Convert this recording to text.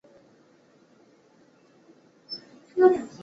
别名是直景。